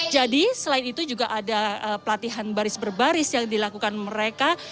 jadi selain itu juga ada pelatihan baris baris yang dilakukan mereka